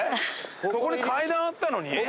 そこに階段あったのに？